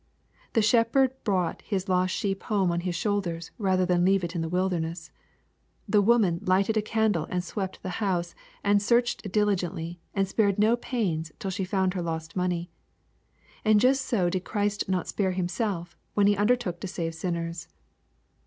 The shepherd brought his lost sheep home on his own shoulders rather than leave it in the wilderness. The woman lighted a candle, and swept the house, and searched diligently, and spared no pains, till she found her lost money. And just so did Christ not spare Himself, when he undertook to save sinners.